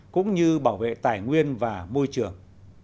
cũng như bảo vệ tài nguyên và môi trường